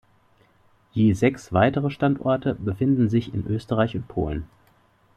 Je sechs weitere Standorte befinden sich in Österreich und Polen.